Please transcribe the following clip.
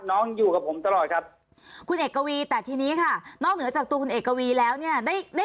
น้องอยู่กับผมตลอดครับคุณเอกวีแต่ทีนี้ค่ะนอกเหนือจากตัวคุณเอกวีแล้วเนี่ยได้ได้